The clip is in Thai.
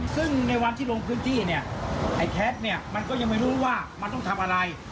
ซึ่งในวันที่ลงพื้นที่เนี่ยไอ้แคทเนี่ยมันก็ยังไม่รู้ว่ามันต้องทำอะไร